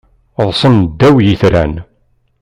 Ḍḍsen ddaw yitran.